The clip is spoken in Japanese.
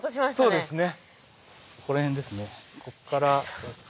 そうですね。